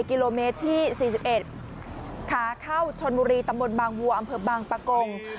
กิโลเมตรที่๔๑ขาเข้าชนบุรีตำบลบางวัวอำเภอบางปะกง